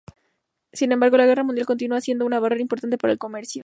Sin embargo, la Guerra Mundial continúa siendo una barrera importante para el comercio.